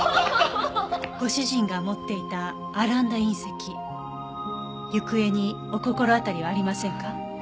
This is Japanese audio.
ご主人が持っていたアランダ隕石行方にお心当たりはありませんか？